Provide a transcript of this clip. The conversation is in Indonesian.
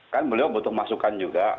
kan beliau butuh masukan juga